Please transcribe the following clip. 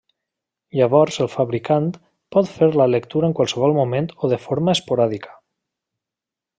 Llavors el fabricant pot fer la lectura en qualsevol moment o de forma esporàdica.